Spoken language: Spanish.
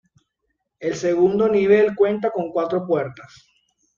El segundo nivel cuenta con cuatro puertas.